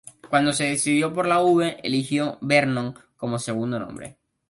Cuando se decidió por la "V", eligió "Vernon" como segundo nombre.